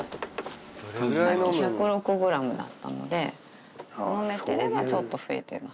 さっき１０６グラムだったので、飲めてればちょっと増えてます。